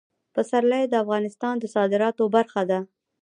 پسرلی د افغانستان د صادراتو برخه ده.